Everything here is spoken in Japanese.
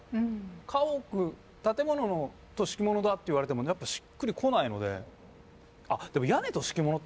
家屋「建物」と「敷物」だっていわれてもやっぱしっくりこないので。